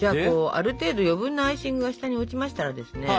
ある程度余分なアイシングが下に落ちましたらですね